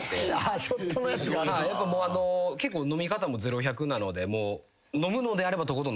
結構飲み方も０：１００なので。